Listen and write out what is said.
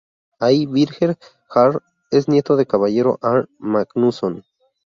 Ahí, Birger jarl es nieto del caballero Arn Magnusson.